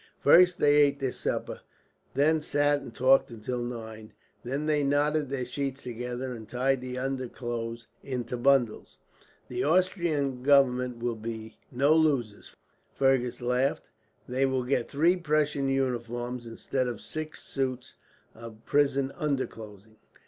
First they ate their supper, then sat and talked until nine. Then they knotted their sheets together, and tied the underclothes into bundles. "The Austrian government will be no losers," Fergus laughed. "They will get three Prussian uniforms, instead of six suits of prison underclothing.